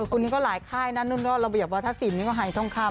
คุณนี้ก็หลายค่ายนั้นแล้วระเบียบว่าถ้าสิ่งนี้ก็ไหลตรงครั้ง